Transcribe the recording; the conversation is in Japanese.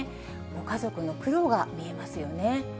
ご家族の苦労が見えますよね。